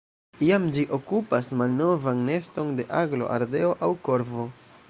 Iam ĝi okupas malnovan neston de aglo, ardeo aŭ korvo.